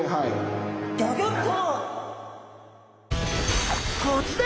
ギョギョッと！